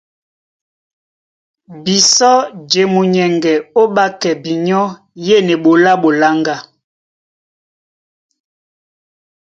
Bisɔ́ di e munyɛŋgɛ ó ɓákɛ binyɔ́ yên eɓoló á ɓoláŋgá.